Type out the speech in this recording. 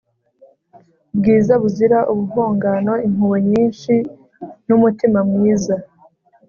bwiza buzira ubuhonganoimpuhwe nyinshi n'umutima mwiza